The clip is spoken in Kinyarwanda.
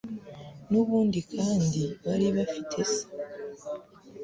N'ubundi kandi, bari bafite se.